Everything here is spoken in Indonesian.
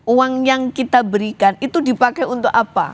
uang yang kita berikan itu dipakai untuk apa